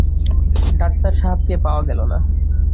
Doctor সাহেবকে পাওয়া গেল না।